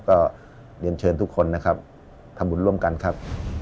ก็เรียนเชิญทุกคนนะครับทำบุญร่วมกันครับ